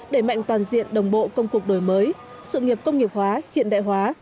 để mạnh toàn diện đồng bộ công cuộc đổi mới sự nghiệp công nghiệp hóa hiện đại hóa